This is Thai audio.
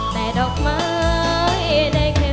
แต่ดอกไม้ได้แค่